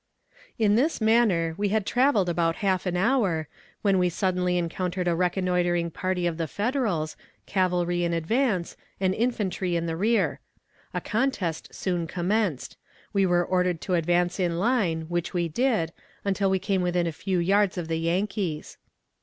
In this manner we had traveled about half an hour, when we suddenly encountered a reconnoitering party of the Federals, cavalry in advance, and infantry in the rear. A contest soon commenced; we were ordered to advance in line, which we did, until we came within a few yards of the Yankees.